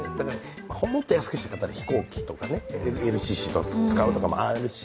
もっと安くなるなら飛行機とかＬＣＣ使う手もあるし。